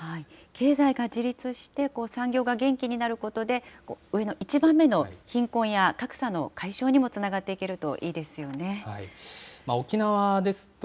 経済が自立して、産業が元気になることで、上の１番目の貧困や格差の解消にもつながっていけるといいですよ